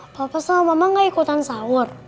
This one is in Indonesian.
apa apa sama mama gak ikutan sahur